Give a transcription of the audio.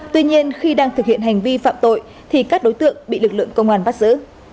tuy nhiên khi đang thực hiện hành vi phạm tội thì các đối tượng bị lực lượng công an bắt giữ